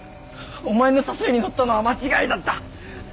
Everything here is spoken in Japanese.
お前の誘いに乗ったのは間違いだった！